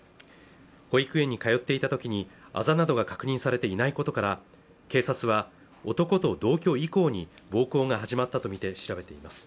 保育園にかよっていたときにあざなどが確認されていないことから警察は男と同居以降に暴行が始まったとみて調べています